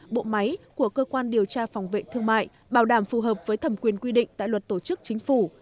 bộ máy của cơ quan điều tra phòng vệ thương mại bảo đảm phù hợp với thẩm quyền quy định tại luật tổ chức chính phủ